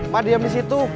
ma diam di situ